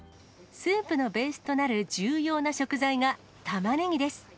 スープのベースとなる重要な食材がタマネギです。